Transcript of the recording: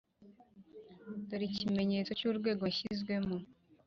dore ikimenyetso cy’urwego nashyizwemo,